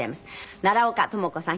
奈良岡朋子さん